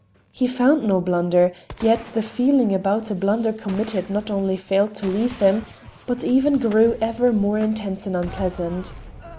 He found no blunder, yet the feeling about a blunder committed not only failed to leave him, but even grew ever more intense and unpleasant.